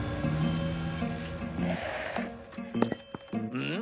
うん？